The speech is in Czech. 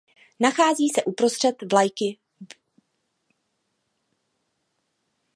Nachází se uprostřed vlajky Bhútánu.